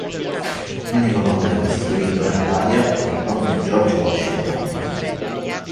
L'unico ponte costruito nell'area è il Ponte George Washington.